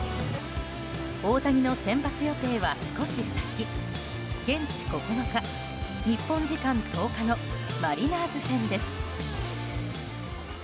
大谷の先発予定は少し先現地９日、日本時間１０日のマリナーズ戦です。